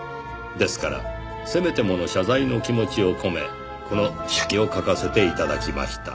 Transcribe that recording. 「ですからせめてもの謝罪の気持ちを込めこの手記を書かせて頂きました。